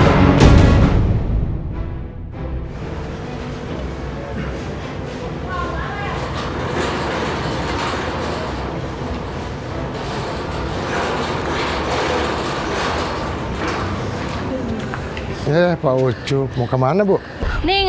jangan lupa like share dan subscribe ya